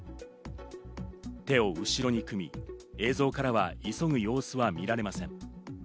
手を後ろに組み、映像からは急ぐ様子は見られません。